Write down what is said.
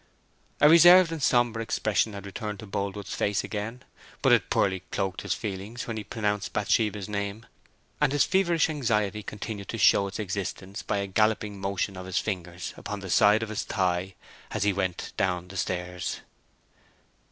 A reserved and sombre expression had returned to Boldwood's face again, but it poorly cloaked his feelings when he pronounced Bathsheba's name; and his feverish anxiety continued to show its existence by a galloping motion of his fingers upon the side of his thigh as he went down the stairs.